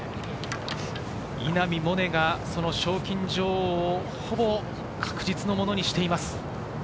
稲見萌寧が賞金女王をほぼ確実なものにしています。